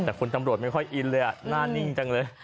แต่คุณตำรวจไม่ค่อยอินเลยหน้านิ่งจังเลย